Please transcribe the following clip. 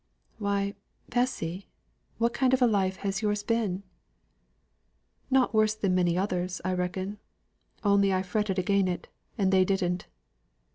"Why, Bessy, what kind of a life has yours been?" "Nought worse than many others,' I reckon. Only I fretted against it, and they didn't."